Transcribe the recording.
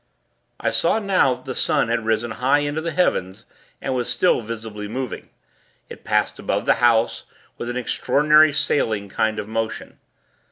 I saw now, that the sun had risen high into the heavens, and was still visibly moving. It passed above the house, with an extraordinary sailing kind of motion.